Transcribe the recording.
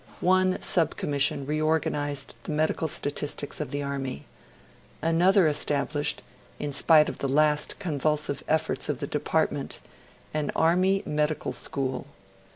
One Sub Commission reorganised the medical statistics of the Army; another established in spite of the last convulsive efforts of the Department an Army Medical School.